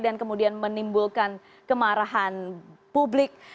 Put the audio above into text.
dan kemudian menimbulkan kemarahan publik